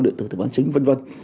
địa tử tổng bản chính v v